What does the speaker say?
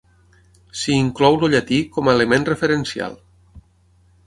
S'hi inclou el llatí com a element referencial.